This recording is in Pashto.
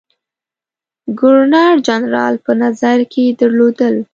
ګورنر جنرال په نظر کې درلودل.